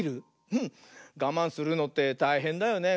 うんがまんするのってたいへんだよね。